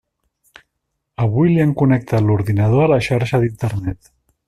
Avui li han connectat l'ordinador a la xarxa d'Internet.